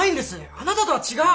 あなたとは違う！